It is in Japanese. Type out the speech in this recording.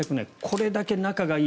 これだけ仲がいい